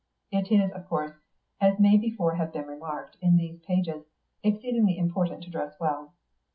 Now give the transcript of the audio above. It is, of course, as may before have been remarked in these pages, exceedingly important to dress well.